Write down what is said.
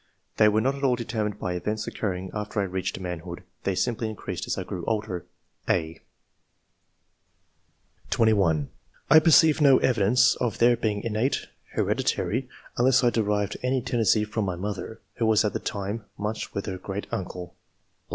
They were not at all determined by events occurring after I reached manhood ; they simply increased as I grew older." (a) (21) "I perceive no evidence of their being innate [? hereditary], unless I derived any ten dency from my mother, who was at one time much with her great uncle [...